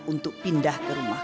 untuk pindah ke rumahku